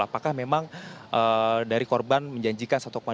apakah memang dari korban menjanjikan satu delapan juta rupiah